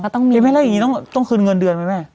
หรือไม่แล้วอย่างนี้ต้องคืนเงินเดือนไหมแม่